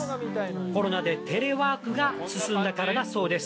コロナでテレワークが進んだからだそうです。